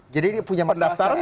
jadi dia punya masalah secara etik